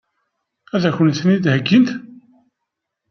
Ad kent-ten-id-heggint?